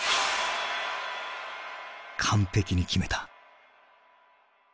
完璧に決めた。